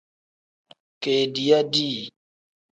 Kediiya dii.